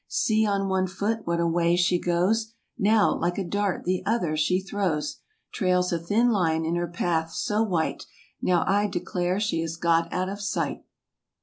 See on one foot what a way she goes, Now, like a dart the other she throws. Trails a thin line in her path so white, Now I declare she has got out of sight.